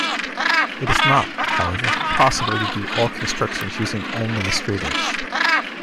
It is not, however, possible to do all constructions using only a straightedge.